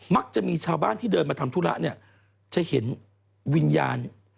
จะมีชาวบ้านที่เดินมาทำธุระเนี่ยจะเห็นวิญญาณ